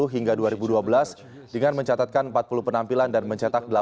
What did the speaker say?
hingga dua ribu dua belas dengan mencatatkan empat puluh penampilan dan mencetak